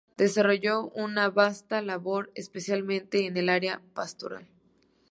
Desarrolló una vasta labor, especialmente en el área pastoral.